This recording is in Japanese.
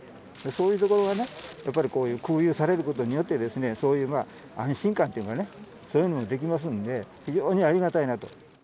そういうところはね、やっぱりこういう空輸されることによって、そういう安心感っていうのがね、そういうのもできますんで、非常にありがたいなと。